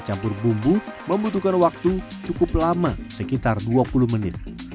campur bumbu membutuhkan waktu cukup lama sekitar dua puluh menit